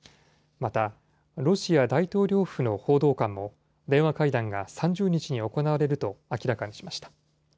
またロシア大統領府の報道官も電話会談が３０日に行われると明らかにしました。